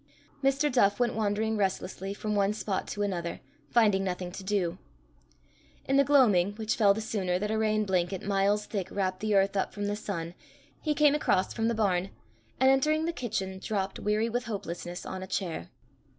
Mr. Duff went wandering restlessly from one spot to another, finding nothing to do. In the gloaming, which fell the sooner that a rain blanket miles thick wrapt the earth up from the sun, he came across from the barn, and, entering the kitchen, dropped, weary with hopelessness, on a chair.